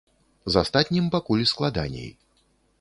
З астатнім пакуль складаней.